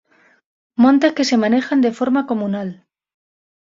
Montes que se manejan de forma comunal